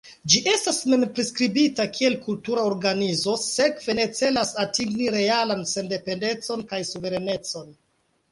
Ĝi estas mem-priskribita kiel kultura organizo, sekve ne celas atingi realan sendependecon kaj suverenecon.